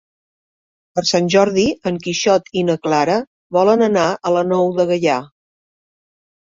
Per Sant Jordi en Quixot i na Clara volen anar a la Nou de Gaià.